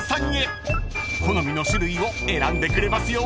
［好みの種類を選んでくれますよ］